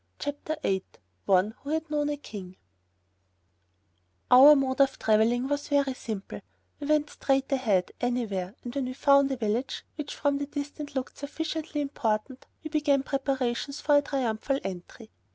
CHAPTER VIII ONE WHO HAD KNOWN A KING Our mode of traveling was very simple: We went straight ahead, anywhere, and when we found a village, which from the distance looked sufficiently important, we began preparations for a triumphal entry.